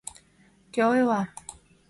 — Кӧ ойла?